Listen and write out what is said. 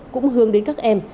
cũng hướng đến các em